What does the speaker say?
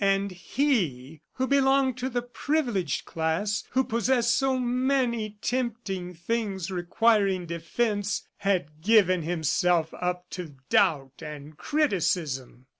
... And he who belonged to the privileged class, who possessed so many tempting things, requiring defense, had given himself up to doubt and criticism!